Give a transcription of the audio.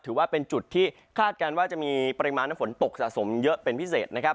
ถือว่าเป็นจุดที่คาดการณ์ว่าจะมีปริมาณน้ำฝนตกสะสมเยอะเป็นพิเศษนะครับ